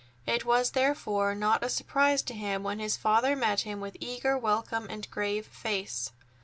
It was therefore not a surprise to him when his father met him with eager welcome and a grave face.